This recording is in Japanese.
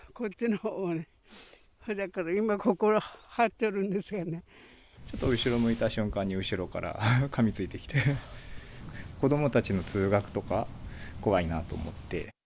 ほじゃから今ここ、ちょっと後ろ向いた瞬間に、後ろからかみついてきて、子どもたちの通学とか怖いなと思って。